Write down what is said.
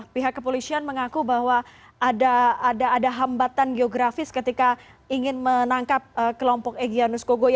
pihak kepolisian mengaku bahwa ada hambatan geografis ketika ingin menangkap kelompok egyanus kogo